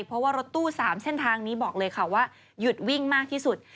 เพราะว่ารถตู้๓เส้นทางนี้บอกเลยค่ะว่าหยุดวิ่งมากที่สุด